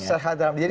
sehat dalam diri